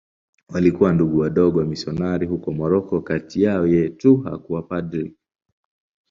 Walikuwa Ndugu Wadogo wamisionari huko Moroko.Kati yao yeye tu hakuwa padri.